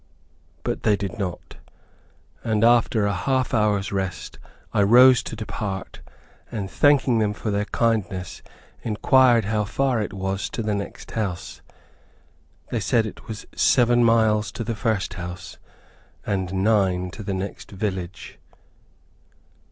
But they did not, and after a half hour's rest I rose to depart, and thanking them for their kindness inquired how far it was to the next house. They said it was seven miles to the first house, and nine to the next village.